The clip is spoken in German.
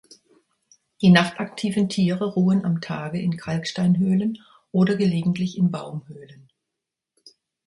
Die nachtaktiven Tiere ruhen am Tage in Kalksteinhöhlen oder gelegentlich in Baumhöhlen.